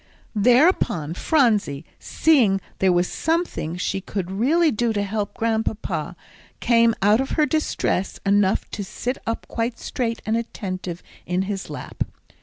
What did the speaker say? Thereupon Phronsie, seeing there was something she could really do to help Grandpapa, came out of her distress enough to sit up quite straight and attentive in his lap.